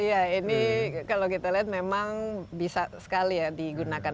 iya ini kalau kita lihat memang bisa sekali ya digunakan